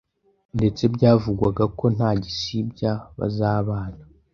ndetse byavugwaga ko nta gisibya bazabana